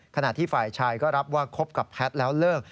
ขณะที่ฝ่ายชายก็รับว่าคบกับแพทย์แล้วเลิก